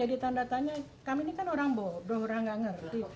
jadi tanda tanya kami ini kan orang bobo orang nggak ngerti